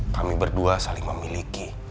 kami berdua saling memiliki